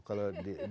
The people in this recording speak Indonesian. kalau dia kan